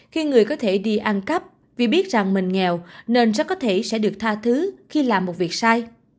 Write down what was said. khi người có thể đi ăn cắp vì biết rằng mình nghèo nên rất có thể sẽ được tha thứ khi làm một việc sai